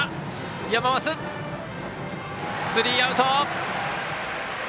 スリーアウト。